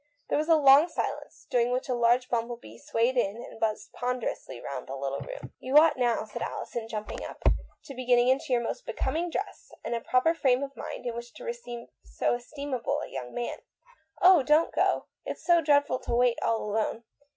There was a long silence, during which a large bumble bee swayed in and buzzed ponder ously round the little room. "You ought now," said Alison, jumping up, " to be getting into your most becoming dress, and a proper frame of mind in which to receive so estimable a young man " "Oh, don't go. It's so dreadful to wait all alone.